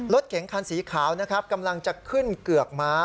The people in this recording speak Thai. รถเก๋งคันสีขาวนะครับกำลังจะขึ้นเกือกม้า